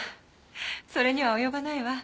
それには及ばないわ。